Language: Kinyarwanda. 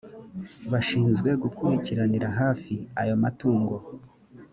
bashinzwe gukurikiranira hafi ayo matungo